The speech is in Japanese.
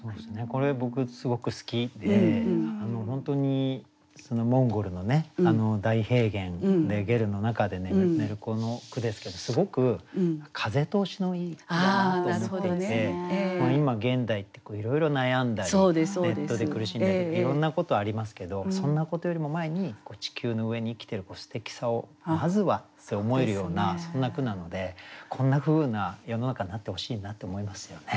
これ僕すごく好きで本当にモンゴルの大平原でゲルの中で寝る子の句ですけどすごく風通しのいい句だなと思っていて今現代っていろいろ悩んだりネットで苦しんだりいろんなことありますけどそんなことよりも前に地球の上に生きてるすてきさをまずはって思えるようなそんな句なのでこんなふうな世の中になってほしいなって思いますよね。